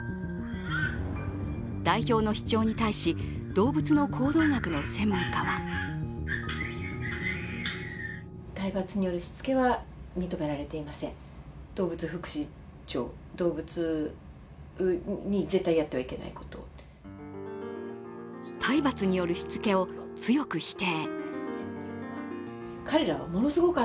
代表の主張に対し、動物の行動学の専門家は体罰によるしつけを強く否定。